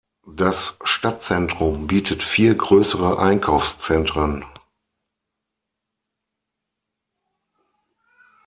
Das Stadtzentrum bietet vier größere Einkaufszentren.